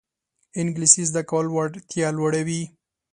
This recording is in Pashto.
انګلیسي زده کول وړتیا لوړوي